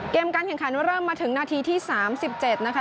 เกมการแข่งขันฟุตบอลว่าเริ่มมาถึงนาทีที่๓๗นะคะ